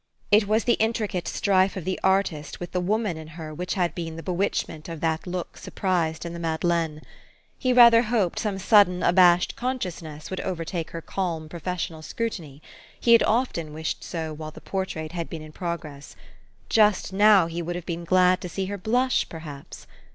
It was the intricate strife of the artist with the woman in her which had been the bewitchment of that look surprised in the Madeleine. He rather hoped some sudden, abashed consciousness would overtake her calm, professional scrutiny : he had often wished so while the portrait had been in prog ress. Just now he would have been glad to see her blush, perhaps.